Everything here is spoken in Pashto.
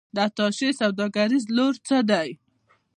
د اتشې سوداګریز رول څه دی؟